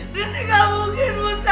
nenek gak mungkin buta